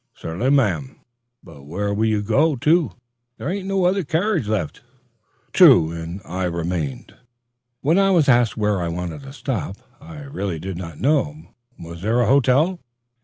"Certainly, ma'am, but where will you go to? There ain't no other carriage left." True; and I remained, and when I was asked where I wanted to stop, I really did not know. Was there a hotel?